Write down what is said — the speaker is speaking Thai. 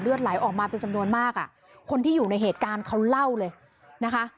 ไหลออกมาเป็นจำนวนมากอ่ะคนที่อยู่ในเหตุการณ์เขาเล่าเลยนะคะ